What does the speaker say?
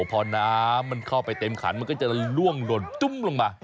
พอน้ำมันเข้าไปเต็มขันมันก็จะล่วงหล่นจุ้มลงมา